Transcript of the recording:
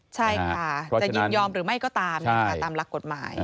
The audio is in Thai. ใช่ค่ะจะยึดยอมหรือไม่ก็ตามแล้วกฎหมาย